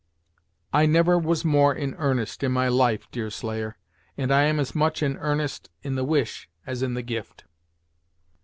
"I never was more in earnest, in my life, Deerslayer, and I am as much in earnest in the wish as in the gift."